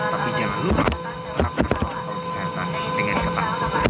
tapi jangan lupa terapkan protokol kesehatan dengan ketat